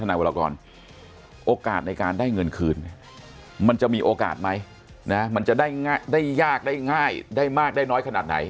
นายวรกรโอกาสในการได้เงินคืนเนี่ยมันจะมีโอกาสไหมนะมันจะได้ยากได้ง่ายได้มากได้น้อยขนาดไหน